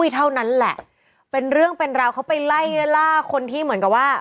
เท่านั้นแหละเป็นเรื่องเป็นราวเขาไปไล่ล่าคนที่เหมือนกับว่า